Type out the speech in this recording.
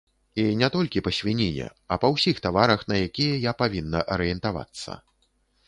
І не толькі па свініне, а па ўсіх таварах, на якія я павінна арыентавацца.